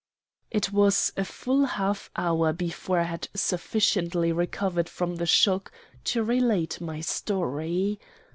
"It was a full half hour before I had sufficiently recovered from the shock to relate my story.